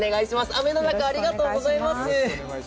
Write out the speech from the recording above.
雨の中、ありがとうございます。